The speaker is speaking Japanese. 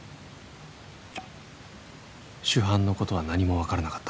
「主犯のことは何もわからなかった」